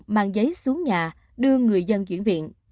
mang giấy xuống nhà đưa người dân chuyển viện